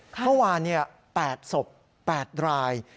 เมื่อวาน๘ศพ๘ราย